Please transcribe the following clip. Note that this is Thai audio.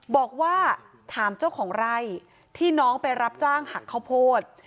บอกว่าถามเจ้าของไร่ที่น้องไปรับจ้างหักข้าวโพด